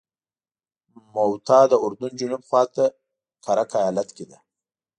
موته د اردن جنوب خواته کرک ایالت کې ده.